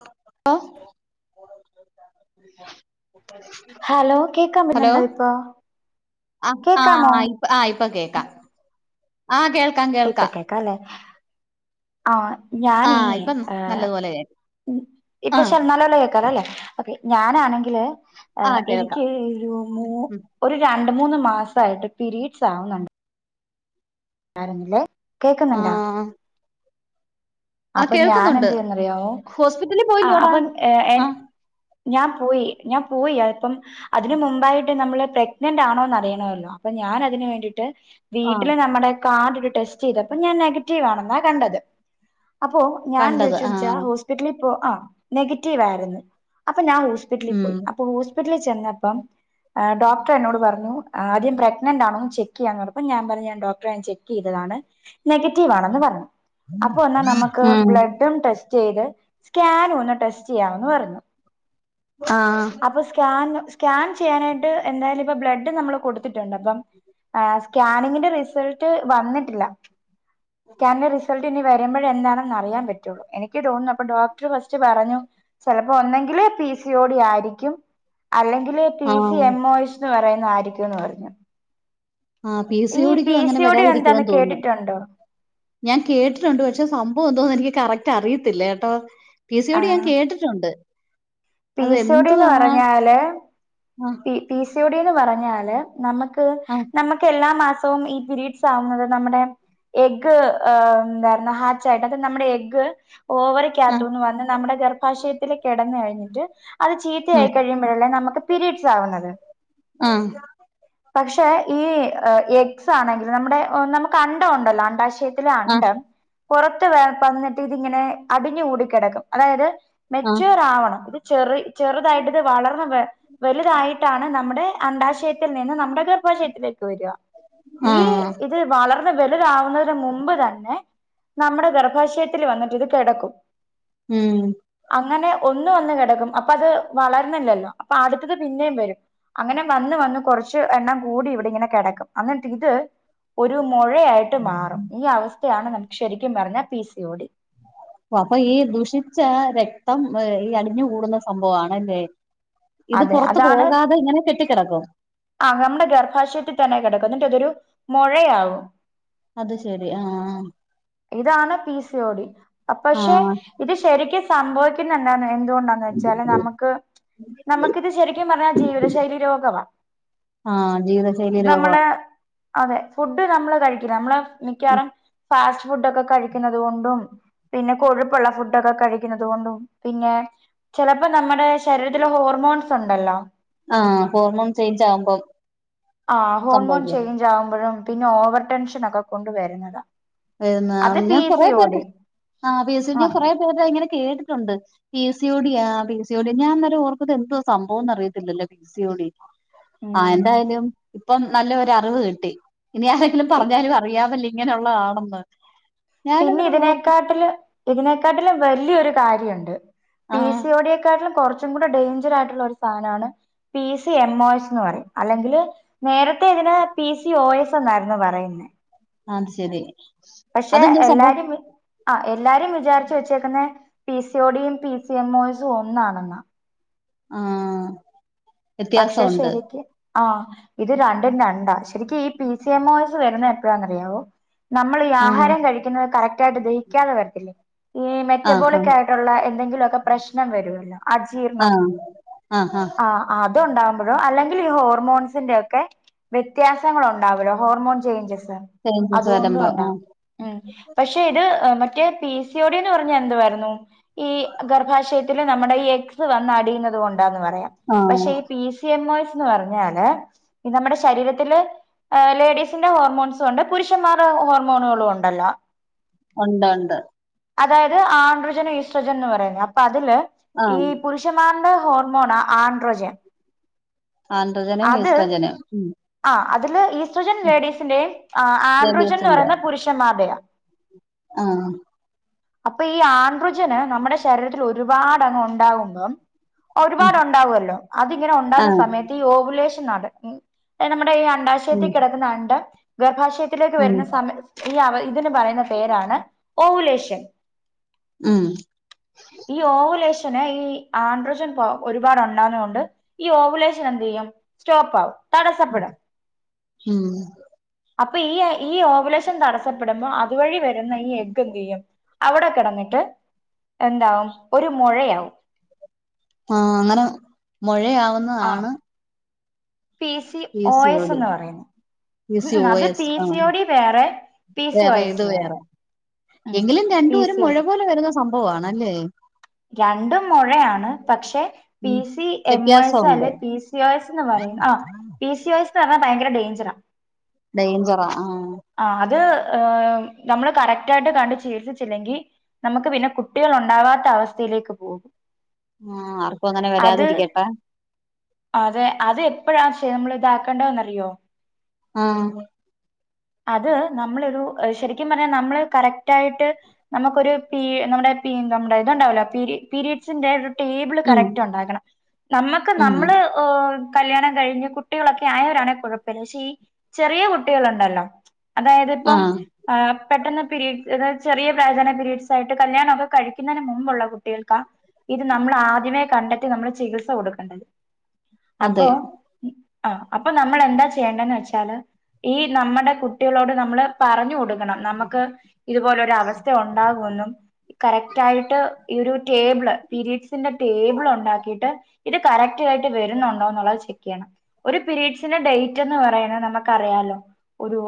[unintelligible] Hello കേക്കാൻ hello പറ്റുന്നുണ്ടോ ഇപ്പൊ ആ ആ കേക്കാമോ ഇ ആ ഇപ്പൊ കേ ക്ക ആഹ് കേൾ ഇപ്പോ കേക്കാം അല്ലേ ആഹ് ആ ഞാനേ ഇപ്പം നല്ലതുപോലെ കേൾക്കാം ഇപ്പൊ [unintelligible] കേൾക്കാല്ലോ അല്ലേ ഓക്കേ ഞാനാണെങ്കില് ആ എനിക്ക് ഒരു മു ഉം ഒരു രാ രണ്ട് മൂന്ന് മാസായിട്ട് പിരീഡ്സ് ആവുന്നുണ്ട് [unintelligible] ആ കേക്കുന്നുണ്ടാ ആ അപ്പൊ ഞാൻ കേൾക്കുന്നുണ്ട് എന്തേയ്യുന്ന് അറിയാമോ ഹോസ്പിറ്റലിൽ ആ പോയില്ലേടാ അപ്പൊ ഏഹ് എ ആ ഞാൻ പോയി ഞാൻ പോയി അപ്പം അതിന് മുമ്പായിട്ട് നമ്മൾ പ്രഗ്നന്റ് ആണോന്ന് അറിയണമല്ലോ അപ്പം ഞാൻ അതിന് വേണ്ടിട്ട് ആ വീട്ടില് നമ്മുടെ കാർഡ് ഡ് ടെസ്റ്റ്‌ ചെയ്തപ്പോ ഞാൻ നെഗറ്റീവ് ആണെന്ന കണ്ടത് അപ്പോ ഞാൻ കണ്ടത് ആ [unintelligible] ഹോസ്പിറ്റലി പ്പോ ആഹ് നെഗറ്റീവ് ആര്ന്ന് അപ്പ ഞാൻ ഹോസ്പിറ്റലല് ഉം പോയി അപ്പൊ ഹോസ് റ്റലിൽ ചെന്നപ്പം ഡോക്ടർ എന്നോട് പറഞ്ഞു ആദ്യം പ്രഗ്നന്റ് ആണോന്ന് ചെക്ക് ചെയ്യാൻ പറഞ്ഞപ്പോ ഞാൻ പറഞ്ഞ് ഞാൻ ഡോക്ടറെ ഞാൻ ചെക്ക് ചെയ്തതാണ് നെഗറ്റീവ് ആണെന്ന് പറഞ്ഞു ക്ക് ഉം ബ്ലഡും ടെസ്റ്റെയ്‌ ത് സ്കാനുമൊന്ന് ടെസ്റ്റ് ചെയ്യാമെന്ന് പറഞ്ഞു ആ അപ്പൊ സ്കാന് കാൻ ചെയ്യാനായിട്ട് എന്തായാലും ഇപ്പം ബ്ലഡ് നമ്മള് കൊടുത്തി ട്ടുണ്ട് അപ്പം ഈഹ് സ്കാനിങ്ങിന്റെ റിസൾട്ട് വന്നിട്ടില്ല സ്കാനിന്റെ റിസൾട്ട് ഇനി വരുമ്പോഴെ എന്താണെന്ന് അറിയൻ പറ്റുള്ളു എനിക്ക് തോന്നുന്നു അപ്പൊ ഡോക്ടർ ഫസ്റ്റ് പറഞ്ഞു ചിലപ്പോ ഒന്നെങ്കില് പി സി ഒ ഡി ആയിരി ക്കും അല്ലെങ്കില് പി ആ സി എം ഒ എച്ച് പറയുന്ന ആയിരി ക്കുന്ന് പറഞ്ഞ ആ പി സി ഒ ഡി ക്കും അങ്ങനെ ഡി എന്താന്ന് വരാതിരിക്കുവാന്ന് തോന്നുന്നു, കേട്ടിട്ടുണ്ടോ ഞാൻ കേട്ടിട്ടുണ്ട് പക്ഷെ സംഭവം എന്തുവാന്ന് എനിക്ക് കറക്റ്റ് നിക്ക് അറിയത്തില്ലേ കേട്ടോ പി സി ഒ ആ ഡി ഞാൻ കേട്ടിട്ടുണ്ട് പി അത് സിഒ ഡി ന്ന് എന്തുവാ പറഞ്ഞാല് ആ P P C O D ഡിന്ന് പറഞ്ഞാല് നമുക്ക് ആ നമുക്ക് എല്ലാ മാസ ഇപ്പം ഈ പീരീഡ്സ് ആവുന്നത് നമ്മുടെ എഗ് ആ എന്താരുന്നു ഹാച്ച് ആയിട്ട് അത് നമ്മടെ എഗ് ആ ഓവറിക്കകത്തുന്ന് വന്ന് നമ്മുടെ ഗർഭാശയത്തിലെ കിടന്ന് കഴിഞ്ഞ് [unintelligible] അത് ആ ചീത്തയായി കഴിയുമ്പോഴല്ലേ നമ്മുക്ക് പീരയഡ്സ് ആവുന്നത്. ആ പക്ഷെ ഈ എഗ്സ് ആണെങ്കിൽ നമ്മുടെ നമുക്ക് അണ്ഡം ഉണ്ടല്ലോ അണ്ടാശയത്തി ത്തിലെ ആ ആ അണ്ഡം പുറത്ത് വർ വന്നിട്ട് ഇതിങ്ങനെ അടിഞ്ഞു കൂടിക്കിടക്കും അതായത് ആ മെച്യൂർ ആവണം ഇത് ചെറി ചെറുതായിട്ട് ഇത് വളർന്ന് വ വലുതായിട്ടാണ് നമ്മുടെ അണ്ടാശയത്തിൽ നിന്ന് നമ്മുടെ ഗർഭാശയത്തിലേക്ക് വരിക ഈ ആഹ് ഇത് വളർ വലുതാവു തിന് മുമ്പ് തന്നെ നമ്മടെ ഗർഭാശയത്തില് വന്നിട്ട് ഇത് കിടക്കും. ഉം അങ്ങനെ ഒന്ന് വന്ന് കിടക്കും അപ്പ അത് വളർന്നില്ലല്ലോ അപ്പ ആദ്യ ത് പിന്നേം വരും അങ്ങനെ വന്ന് വന്ന് കുറച്ച് എണ്ണം കൂടി ഇവിടെ ഇങ്ങനെ കിടക്കും. അങ്ങട്ടിട്ട് ഇത് ഒരു മൊഴയായിട്ട് മാറും ഇഅവസ്ഥ ക്കാണ് നമുക്ക് ശരിക്കും പറഞ്ഞാ പി സി ഓടി. അപ്പൊ ഈ ദുഷിച്ച രക്തം ഈ അടി ഞ്ഞു കൂടുന്ന സംഭവണല്ലേ? ഇത് അതെ പുറത് പോകാതെ ഇങ്ങനെ കെട്ടിക്കിടക്കും. ആഹ് നമ്മുടെ ഗർഭാശയത്തിൽ തന്നെ കിടക്കും എന്നിട്ട് അതൊരു മുഴയാവും അത് ശെരി ആഹ് ഇതാണ് പി സി ഓടി അ പക്ഷെ ആഹ് ഇത് ശരിക്കും ഇത് സംഭവിക്കുന്നതെന്താന്നെ എന്തുകൊണ്ടാന്ന് വെച്ചാല് നമുക്ക് നമുക്കിത് ശരിക്കും പറഞ്ഞാ ജീവിത ശൈലി രോഗവാ ആഹ് ജീവിത ശൈലി ഇത് രോഗവാ നമ്മള് അതെ ഫുഡ് നമ്മള് കഴിക്കില്ല നമ്മള് നിക്കാറാ ഫാസ്റ്റ് ഫുഡൊക്കെ കഴിക്കുന്നത് കൊണ്ടും പിന്നെ കൊഴുപ്പുള്ള ഫുഡൊക്കെ കഴിക്കുന്നുന്നത് കൊണ്ടും പിന്നെ ചെലപ്പോ നമ്മടെ ശരീരത്തില ഹോർമോൺസ് ഉണ്ടല്ലോ ആഹ് ഹോർമോൺ ചേഞ്ച് ആകുമ്പം ആഹ് ഹോർമോൺ സംഭവിക്കും ചെയ്ഞ്ച് ആവുമ്പഴും പിന്നെ ഓവർ ടെൻഷനൊക്കെ കൊണ്ട് വര്ന്നതാ പിന്നെ ഞാൻ കൊറെ പേർക്ക് ആ പി എസ് ആ ഞാൻ കൊറെപേരുടെ ഇങ്ങനെ കേട്ടിട്ടുണ്ട് പി സി യോടി ആഹ് പി സി യോടി ഞാൻ നേരം ഓർക്കും എന്തോ സംഭവംന്ന് അറിയത്തില്ലല്ലോ പി സി യോ ടി ആഹ് ഉം എന്തായാലും ഇപ്പം നല്ലൊര് അറിവ് കിട്ടി ഇനി ആരെങ്കിലും പി- പറഞ്ഞാലും അറിയാവല്ലേ ഇങ്ങനുള്ള ആണും ബ പിന്നെ ഇതിനേക്കാട്ടില് ഇതിനെക്കാട്ടിലും വല്ല്യോരൂ കാര്യുണ്ട് പി ആഹ് സി യോ ടിയെ കാട്ടിലും കൊർച്ചും കൂടെ ഡേഞ്ചർ ആയിട്ടുള്ള ഒരു സാനാണ് P C M O S എന്ന് പറയും അല്ലെങ്കില് നേരത്തെ ഇതിന് പി സി ഒ എസ് എന്നായിരുന്നു പറയുന്നത് അത് ശരി പക്ഷെ അതെന്താ സംഭവം എല്ലാരും ആഹ് എൻ എല്ലാരും വിചാരിച്ച് വെച്ചേക്കുന്നെ പിസി ഓഡിയും പി സി എം ഓയസും ഒന്നാണെന്ന ആഹ് പക്ഷേ വ്യത്യാസമുണ്ട് ശരിക്ക് ആഹ് ഇത് രണ്ടും രണ്ടാ ശരിക്കും ഈ P C M O S വരുന്നെ എപ്പഴാന്നറിയാവോ നമ്മള് ഈ ആഹ് ആഹാരം കഴിക്കുന്നത് കറക്റ്റ് ആയിട്ട് ദഹിക്കാതെ വരത്തില്ലേ ഈ ആഹ് മെറ്റബോളിക് ആയിട്ടുള്ള എന്തെങ്കിലുമൊക്കെ പ്രശ്നം വരുവെന്ന് അജീർണം ആഹ് ആഹ് അത് ഉണ്ടാവുമ്പഴോ അല്ലെങ്കി ഈ ഹോർമോൺസിന്റെ ഒക്കെ വ്യത്യാസങ്ങള് ഓ അവിടെ ഹോർമോൺ ചെയ്ഞ്ചസ് ചേഞ്ചസ് അതുകൊണ്ടും വരുമ്പോ ഉണ്ടാവും ആഹ് പക്ഷേ ഇത് മറ്റേ P P C O D ന്ന് പറഞ്ഞ എന്തുവാരുന്നു ഈ ഗർഭാശയത്തില് നമ്മുടെ ഈ എക്സ് വന്ന് അടിയുന്ന അത് കൊണ്ടാന്ന് പറയാം ആഹ് പക്ഷേ ഈ P C M O S എന്ന് പറഞ്ഞാല് നമ്മുടെ ശരീരത്തിലേ ലേഡീസിന്റെ ഹോർമോൺസും ഉണ്ട് പുരുഷന്മാരുടെ ഹോർമോണുകളും ഉണ്ടല്ലോ ഒണ്ട് ഒണ്ട് അതായത് ആൺഡ്രജനും ഈസ്ട്രജൻ എന്ന് പറയുന്നത് അപ്പ അതില് ഈ ആഹ് പുരുഷൻമാരിലെ ഹോർ മോണ ആൺഡ്രജൻ ആൺഡ്രജനും ഈസ്‌ട്രജനും ആ അതില് ഈ ഈസ്ഡജൻ ലേഡീസിന്റെയും ആൻഡ്രുജൻ ന്ന് ലേഡീസിന്റെ പറയുന്ന പുരുഷമാരുടെയാ ആഹ് അപ്പൊ ഈ ആൻഡ്രുജന് നമ്മുടെ ശരീരത്തിൽ ഒരുപാട് അങ്ങ് ഉണ്ടാകുമ്പം ഉം ഒരുപാട് ഉണ്ടാകുവല്ലോ അതിങ്ങനെ ഉണ്ടാകുന്ന ആഹ് സമയത്ത് ഈ ഓവുലേഷ് ഇത് നാടൻ ഉം ഡേ നമ്മടെ ഇയാൺ അണ്ടാശയത്തി ഉം കെടക്കുന്ന അണ്ടം ഗർഭാശയത്തിലേക്ക് ഉം വരുന്ന സമ ഈ അവ ഇതിന് പറയുന്ന പേരാണ് ഓവുലേഷൻ ഉം ഈ ഓവുലേഷ് തന്നെ ഈ ആൻഡ്രജൻ പോ ഒരുപാട് ഉണ്ടാവുന്നകൊണ്ട് ഈ ഓവുലേഷൻ എന്ത് ചെയ്യും സ്റ്റോപ്പ് ആകും തടസ്സപ്പെടും മ് അപ്പ ഈ ഈ ഓവുലേഷൻ ഇത് തടസ്സപ്പെടുമ്പം അതുവഴി വരുന്ന ഈ എഗ്ഗ് എന്ത് ചെയ്യും അവിടെ കെടന്നിട്ട് എന്താവും ഒരു മുഴയാവും ആ അങ്ങനാ മെഴ ആ മെഴയാവുന്നതാണ് പി സി ഓയസ് എന്ന് പറയുന്നു പി സി ഒ അത് എസ് പിസി ആഹ് ഓഡി വേറെ പിസി വേറെ ഓയസ് ഇത് വേറെ സംഭവണല്ലേ രണ്ടും മെഴയാണ് പക്ഷെ പി ഉം സി എംഒ എസ് വ്യത്യാസമുണ്ട് അല്ലെ പി സി ഒ എസ് എന്ന് പറയും ആ പി സി ഒ സ് [unintelligible] പറഞ്ഞാ ഭയങ്കര ഡേഞ്ചറണ് ഡേഞ്ചറാ ആഹ് ആ അത് നമ്മള് കറക്റ്റായിട്ട് കണ്ട് ചികില്സിച്ചിലങ്കിൽനമുക്ക് പിന്നെ കുട്ടികൾ ഉണ്ടാവാത്ത അവസ്ഥയിലേക്ക് പോകും ആ ആർക്കും അങ്ങനെ അത് വരാതിരിക്കട്ടെ എപ്പോഴാ ശെ നമ്മൾ ഇതാക്കണ്ടന്ന്റിയോ ആഹ അത് നമ്മള ഒരു ശരിക്കും പറഞ്ഞ നമ്മള് കറക്റ്റ് ആയിട്ട് നമുക്കൊരുപി നമ്മുടെ നമ്മുടെ ഇത്ണ്ടാവലോ പിരി പരിഡ്സിന്റെ ഒര് ടേബിള് ഉം കറക്റ്റ് ഒണ്ടാക്കണം നമുക്ക് ഉം നമ്മള് ഒ കല്യാണം കഴിഞ്ഞ് കു ട്ടികളൊക്കെ ആയവരാണെ കൊ ഴപ്പല്ല പക്ഷെ ഈ ചെറിയ കുട്ടികളുണ്ടല്ലോ അതായത് ഇപ്പം ആഹ് പെട്ടെന്ന് പിരീഡ് അതാ ചെറിയ വേദന പിരീഡ്സ് ആയിട്ട് കല്യാണം ഒക്കെ കഴിക്കുന്നതിന് മുമ്പുള്ള കുട്ടികൾക്കാ ഇത് നമ്മള് ആദ്യമേ കണ്ടെത്തി നമ്മൾ ചികിത്സ കൊടുക്കണ്ടത് അതെ അപ്പൊ ആ അപ്പൊ നമ്മൾ എന്താ ചെയ്യേണ്ടന്ന് വെച്ചാല് ഈ നമ്മടെ കുട്ടികളോട് നമ്മള് പറഞ്ഞു കൊടുക്ക നമുക്ക് ഇതുപോലെരു അവസ്ഥ ഉണ്ടാകുവെന്നും കറക്റ്റ് ആയിട്ട് ഈ ഒരു ടേബിള് പീരീഡ്സിന്റെ ടേബിൾ ഉണ്ടാക്കിട്ട് ഇത് കറക്റ്റ് ആയിട്ട് വരുന്നുണ്ടോ എന്നുള്ളത് ചെക്ക് ചെയ്യണം. ഒരു പിരീഡ്സിന്റെ ഡേറ്റ് എന്ന് പറയുന്നത് നമുക്കറിയാലോ- ഒരു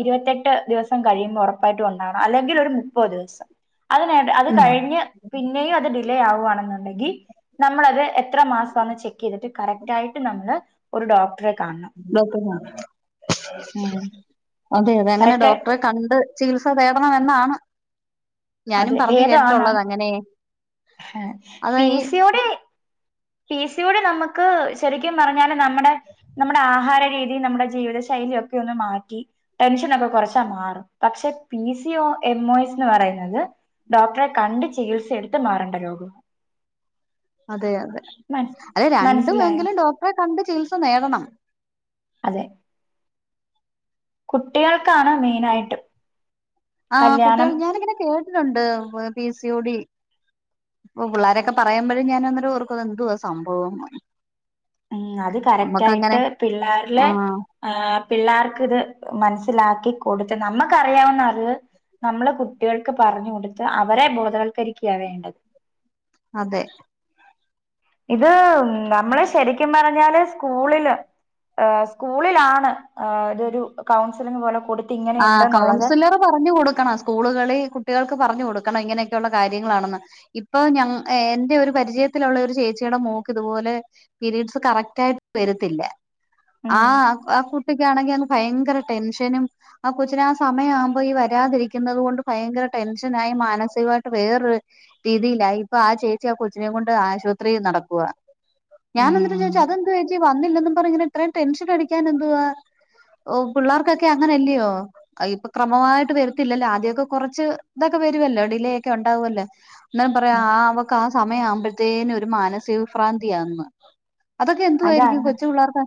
ഇരുപത്തിഎട്ട് ദിവസം കഴിയുമ്പോൾ ഉറപ്പായിട്ടും ഉണ്ടാകണം അല്ലെങ്കിൽ ഒരു മുപ്പത് ദിവസം അങ്ങനെ ആകട്ടെ അത് ഉം കഴിഞ്ഞ് പിന്നെയും അത് ഡിലേ ആവാണെന്നുണ്ടെങ്കിൽ നമ്മളത് എത്ര മാസന്ന് ചെക്ക് ചെയ്തിട്ട് കറക്റ്റായിട്ട് നമ്മള് ഒരു ഡോക്ടറെ കാണണം ഡോക്ടറെ മ് അതെ അതെ അങ്ങനെ ഡോക്ടറെ കണ്ട് ചികിത്സ ഇപ്പം തേടണം എന്നാണ് അതെ വേദ ആന്ന അത ഈ പീസിടയോടി പിസിയോടി നമുക്ക് ശരിക്കും പറഞ്ഞാ നമ്മുടെ നമ്മുടെ ആഹാര രീതിൽ നമ്മുടെ ജീവിത ശൈലി ഒക്കെ ഒന്ന് മാറ്റി ടെൻഷനൊക്കെ കുറച്ചാ മാറും പക്ഷെ P C O M O S എന്ന് പറയുന്നത് ഡോക്ടറെ കണ്ട് ചികിത്സയെടുത്ത് മാറേണ്ട രോഗാണ്. അതെയാ അതെ മനസ്സിലായോ രണ്ടുവേങ്കിലും ഡോക്ടറെ കണ്ട് ചികിത്സ നേടണം അതെ കുട്ടികൾ ആ കല്യാണം കുട്ടികൾ ഞാനങ്ങനെ കേട്ടിട്ടുണ്ട് പിസി ഒടി ഒ പിള്ളോരൊക്കെ പറയുമ്പഴെ ഞാന ന്നേരോർക്കു ന്തുവാ സംഭവം ഉം അത് കറക്റ്റായിട്ട് നമ്മുക്കങ്ങനെ പിള്ളാരിലെ ആഹ് ആ പിള്ളേർക്കിത് മന സ്സിലാക്കി കൊടുത്ത് നമ്മക്കറിയാവുന്ന അറിവ് നമ്മളെ കുട്ടികൾക്ക് പറഞ്ഞു കൊടുത്ത് അവരെ ബോധവത്ക്കരിക്കുകയാ വേണ്ടത്. അതെ ഇത് നമ്മള് ശരിക്കും പറഞ്ഞാല് സ്കൂളില് ഏഹ് സ്കൂളിലാണ് ആ ഇതൊരു കൗൺസിലിംഗ് പോലെ കൊട് ആ കൗൺസിലർ പറഞ്ഞു കൊടുക്കണം സ്കൂളുകളി കുട്ടികൾക്ക് പറഞ്ഞു കൊടു ക്കണം ഇങ്ങനെയൊക്കെയള്ള കാര്യങ്ങളാണെന്ന് ഇപ്പൊ ഞ ഏഹ് എന്റെ ഒരു പരിചയത്തിലുള്ള ഒരു ചേച്ചിയുടെ മോക്ക് ഇതുപോലെ പീരീഡ്സ് കറക്റ്റ് ആയിട്ട് വരത്തില്ല ആ ഉം ആ കുട്ടിക്കാണെങ്കി അന്ന് ഭയങ്കര ടെൻഷനും ആ കൊച്ചിന് ആ സമയാവുമ്പോ ഈ വരാതിരിക്കുന്നത് കൊണ്ട് ഭയങ്കര ടെൻഷനായി മാനസികവായിട്ട് വേറൊരു രീതിയിലായി ഇപ്പൊ ആ ചേച്ചി ആ കൊച്ചിനെ കൊണ്ട് ആശുപത്രി നടക്കുവാ ഞാനെന്നിട്ട് ചോയ്ച്ചു ഉം അതെന്തുവാ ച്ചി വന്നില്ലന്ന് പറഞ്ഞ് ഇങ്ങനെ ഇത്രയും ടെൻഷൻ അടിക്കൻ എന്തുവാ ഓ പിള്ളേർക്കൊക്കെ അങ്ങനെല്ലയോ ഇപ്പൊ ക്രമമായിട്ട് വരത്തില്ലല്ലോ ആദ്യക്കെ കൊറച്ച് ഇത് ത്തൊക്കെ വരുവല്ലോ ഡിലേ ഒക്കെ ഉണ്ടാവുല്ലേ എന്നാ പറയാ ആ അവക്ക് ആ സമയാവുമ്പ ത്തേന്ന് ഒരു മാനസിക വിഭ്രാന്തിയാന്ന് അതൊക്കെ എന്തുവായിരിക്കും അതാണ് കൊച്ചു പിള്ളേർക്ക്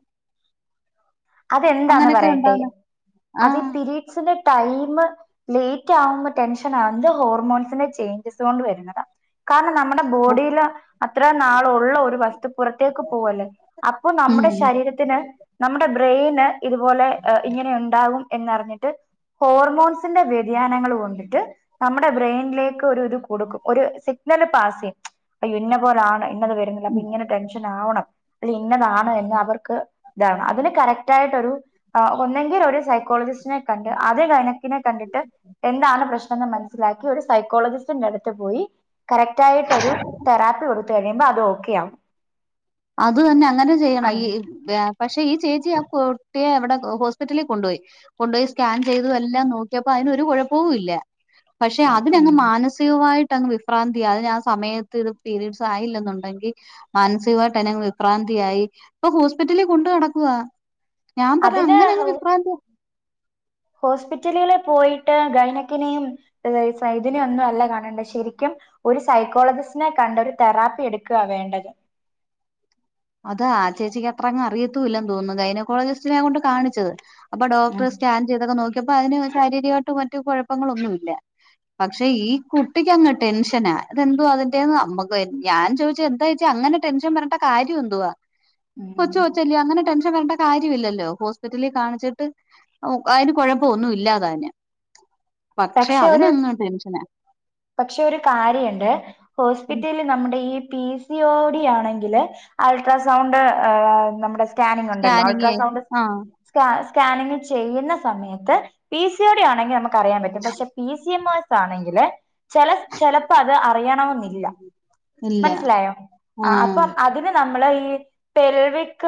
അതെന്താന്ന് അങ്ങനെയൊക്കെ പറയട്ടെ ഉണ്ടാവുന്നെ അത് ആഹ് പിരി ടൈമ് ലേറ്റ് ആവുമ്പോ ടെൻഷൻ ആ വ്ന്നത് ഹോർമോൺസിന്റെ ചേഞ്ചസോണ്ട് വരുന്നത കാരണം നമ്മുടെ ബോഡില് അത്രേം നാള് ഉള്ള ഒരു വസ്തു പുറത്തേക്ക് പോവല്ലേ അപ്പൊ നമ്മുടെ ഉം ശരീരത്തിന് നമ ബ്രെയിന് ഇതുപോലെ എ ഇങ്ങനെ ഉണ്ടാകും എന്നറിഞ്ഞിട്ട് ഹോർമോൺസിന്റെ വ്യതിയാനങ്ങൾ കൊണ്ടിട്ട് നമ്മുടെ ബ്രെയിനിലേക്ക് ഒരു ഇത് കൊടുക്കും ഒരു സിഗ്നല് പാസ് ചെയ്യും അ ഇന്ന പോലാണ് ഇന്നത് വരുന്നില്ല അപ്പൊ ഇങ്ങനെ ടെൻഷൻ ആവണം ഇന്നതാണ് എന്ന് അവർക്ക് ത അതിന് കറക്റ്റ് ആയിട്ടൊരു ഒന്നെങ്കി ഒരു സൈക്കോളജിസ്റ്റിനെ കണ്ട് ആദ്യം ഗൈനക്കിനെ കണ്ടിട്ട് എന്താണ് പ്രശ്നംന്ന് മനസ്സിലാക്കി ഒരു സൈക്കോളജിസ്റ്റിന്റെ അടുത്ത് പോയി ക കറക്റ്റായിട്ടൊരു തെറാപ്പി കൊടു യുമ്പോ അത് ഓക്കെയാവും അത് തന്നെ അങ്ങനെ ചെയ്യണം ഈ പക്ഷെ ഈ ചേച്ചി ആ കുട്ടിയെ അവിടെ ഹോസ്പിറ്റലി കൊണ്ടുപോയി കൊണ്ടോയി സ്കാൻ ചെയ്തു എല്ലാം നോക്കിയപ്പോ അതിനൊരു കുഴപ്പവുല്ല പക്ഷെ അതിനങ്ങ് ഉം. മാനസികമായി ട്ടങ്ങ് വിഭ്രാന്തി അതിന് ആ സമയത്ത് ഇത് പീരീഡ്സായില്ലെന്നുണ്ടെങ്കി മാനസികമായി ട്ടങ്ങ് വിഭ്രാന്തിയായി അപ്പൊ ഹോസ്പിറ്റലിൽ കൊണ്ട് നടക്കുവാ ഞാൻ പറ അതിന് അങ്ങനങ്ങ് വിഭ്രാന്തി ഹോസ്പിറ്റലുകളില് പോയിട്ട് ഗൈനക്കിനെയും തിനെയും ഒന്നും അല്ല കാണണ്ടെ ശരിക്കും ഒരു സൈക്കോളജിസ്റ്റിനെ കണ്ട് ഒരു തെറാപ്പി എടുക്കുവ വേണ്ടത് അതാ ചേച്ചിക്ക് അത്ര അങ് അറിയത്തൂ ഇല്ലെന്ന് തോന്നുന്നു ഗൈനക്കോളജിസ്റ്റിനെ കൊണ്ട് കാണിച്ചത് അപ്പ ഡോക്ടർ ഉം. സ്കാൻ ചെയ്തൊക്ക നോക്കി അതിന് ശാരീരികമായിട്ടും മറ്റ കുഴങ്ങള ഒന്നുംല്ല പക്ഷെ ഈ കുട്ടക്ക്ങ് ടെൻഷനതെന്തോ അതി നക്ക് ഞാൻ ചോദിച്ച എന്താ അനെ ടെൻഷൻ വരണ്ട കാര്യമാ ന്തുവാ ഉം. കൊച്ചു കൊച്ചല്ലേ അങ്ങന ടെൻ വേണ്ട കാര്യമ ഇില്ലല്ലോ ഹോസ്പിറ്റലിൽ കാണിച്ചിട്ട് അതിന് കുഴപ്പ ഒന്നും ഇല്ലാതാനും പക്ഷെ ഒരു പക്ഷെ ഒരു കാര്യുണ്ട് ഹോസ്പിറ്റലിൽ നമ്മുടെ ഈ പി സി ഓടി ആണെങ്കില് അൾട്രാസൗണ്ട് നമ്മുടെ സ്കാനിങ് ഉണ്ടല്ലോ സ്കാനിങ്ങേ അൾട്രാസൗണ്ട് ആഹ് സ് സ്കാനിങ് ചെയ്യുന്ന സമയത്ത് പി സിയോടി ആണെങ്കിൽ നമു അറിയൻ പറ്റും പക്ഷെ പി സി എം ആശ് ആണെങ്കിലേ ചെല ചെലപ്പോ അത് അറിയണമെന്നില്ല ഇല്ല മനസ്സിലായോ ആഹ് അപ്പം അതിന് നമ്മള് ഈ ഈ പെൽവിക്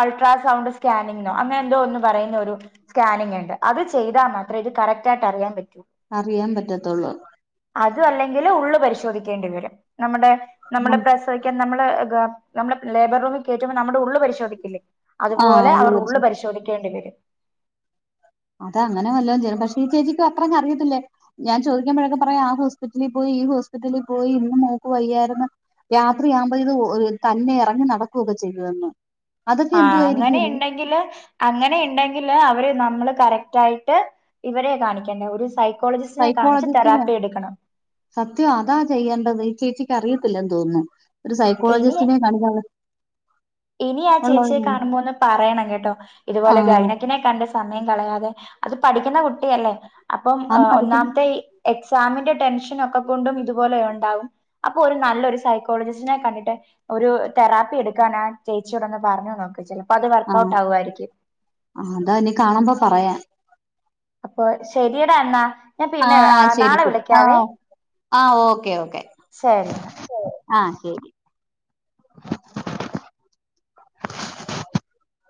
അൾട്രാസൗണ്ട് സ്കാനിങ്ങിനോ അങ്ങനെ എന്തോ ഒന്ന് പറയുന്ന ഒരു സ്കാനിങ് ഇണ്ട് അത് ചെയ്താ മാത്രേ ഇത് കറക്റ്റ് ആയിട്ട് അറിയാൻ പ അറിയാൻ പറ്റത്തൊള്ളൂ. അത് അല്ലെങ്കില് ഉള്ളള് പരിശോധിക്കേണ്ടി വരും. നമ്മടെ നമ്മളെ പ്രസവിക്കാൻ നമ്മള് ഗ നമ്മളെ പി ലേബർ റൂമി കേറ്റുമ്പോ നമ്മടെ ഉള്ളള് പരിശോധിക്കില്ലേ ആഹ് അതുപോലെ ഉള്ളു അവർ പരിച്ച ഉള്ള് പരിശോധിക്കേണ്ടി വരും. അത അങ്ങനെ വല്ലോം ചെയ്യും. പക്ഷേ ഈ ചേച്ചിക്ക് അത്രങ്ങ അറിയത്തില്ലേ ഞാൻ ചോദിക്കുമ്പോഴേക്കെ പറയും. ആ ഹോസ്പിറ്റലിൽ പോയി ഈ ഹോസ്പിറ്റലിൽ പോയി ഇന്ന് മോ ക്കു വയ്യായ്ര്ന്നു. രാത്രിയാകുമ്പോ ഇത് തന്നെ എറങ്ങി നടക്കൊക്കെ ചെയ്യുവെന്ന്. അതൊക്കെ ആഹ് അങ്ങനെ എന്തുവായിരിക്കും ഇണ്ടെങ്കില് അങ്ങനെ ഇണ്ടെങ്കില് അവരെ നമ്മള് കറക്റ്റ് ആയ്ട്ട് ഇവരെ കാണിക്കണ്ട ഒരു സൈ സൈക്കോളജിസ്റ്റിനെ സത്യം അതാ ചെയ്യേണ്ടത് ഈ ചേച്ചി ക്കറിയത്തില്ലന്ന് തോന്ന്ന്നു. ഒരു ഇനി സൈക്കോളജിസ്റ്റിനെ കാണിക്കാ ഇനി ആ ചേച്ചിയെ കാണുമ്പോന്ന് പറയണം കേട്ടോ ഇതുപോലെ ആഹ് ഗൈനക്കിനെ കണ്ട മയം കളയാതെ അത് പഠിക്കുന്ന കുട്ടിയല്ലേ. അപ്പം ആന്ന് പഠിക്കുന്നു ഒന്നാംത്തെ എക്സാമിന്റെ ടെൻഷൻ ഒക്കെ കൊണ്ടും ഇതുപോലെ ഒണ്ടാവും. അപ്പോ ഒര് നല്ലൊരു സൈക്കോളജിസ്റ്റിനെ കണ്ടിട്ട് ഒരു തെറാപ്പി എട്ക്കാൻ ചേച്ചിയോടെന്ന് പറഞ്ഞ് നോക്ക്. ചിലപ്പോ അത് ആഹ് വർക്കൗട്ട് ആകുമായിരിക്കും ആ അതാ ഇനി കാണുമ്പോ പറയാ. അപ്പൊ ശരിടാ എന്നാ. ഞാൻ പിന്നെ ആഹ് ശരി നാളെ ശരി വിളിക്കാവേ ആഹ് ആഹ് ഓക്കെ ഓക്കെ. ശരി എന്നാ ആഹ് ശരി